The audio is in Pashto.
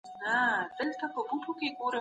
استادان د مختلفو څانګو تجربې شریکوي.